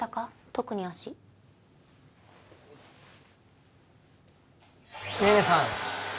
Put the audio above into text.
特に足寧々さん